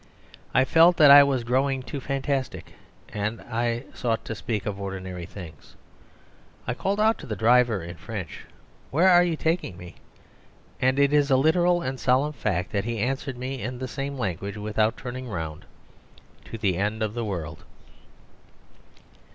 I felt that I was growing too fantastic, and I sought to speak of ordinary things. I called out to the driver in French, "Where are you taking me?" and it is a literal and solemn fact that he answered me in the same language without turning around, "To the end of the world."